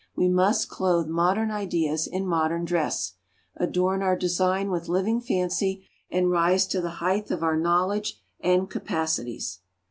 We must clothe modern ideas in modern dress; adorn our design with living fancy, and rise to the height of our knowledge and capacities.